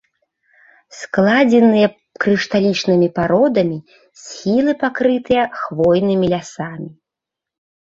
Складзеныя крышталічнымі пародамі, схілы пакрытыя хвойнымі лясамі.